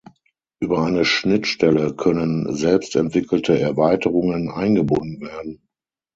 Über eine Schnittstelle können selbstentwickelte Erweiterungen eingebunden werden.